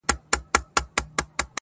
اور به یې سبا د شیش محل پر لمن وګرځي؛